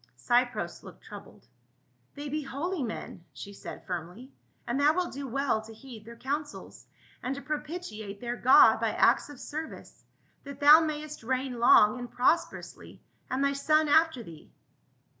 Cypros looked troubled. " They be holy men," she said firmly, " and thou wilt do well to heed their counsels, and to propitiate their God by acts of ser vice, that thou mayst reign long and prosperously and thy son after thee."